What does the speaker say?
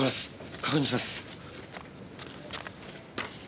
確認します。